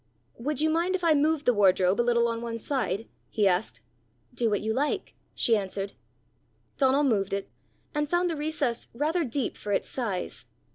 "Would you mind if I moved the wardrobe a little on one side?" he asked. "Do what you like," she answered. Donal moved it, and found the recess rather deep for its size.